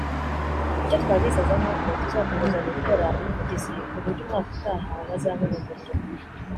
icyo twabizeza n’uko tuzakomeza gukora ubuvugizi k’uburyo umwaka utaha bazabona umuriro”